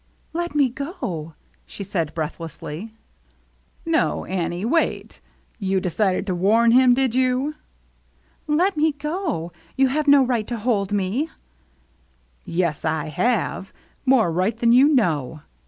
" Let me go !" she said breathlessly. " No, Annie, wait. You decided to warn him, did you ?" 2o8 THE MERRT ANNE " Let me go. You have no right to hold me." " Yes I have, more right than you know.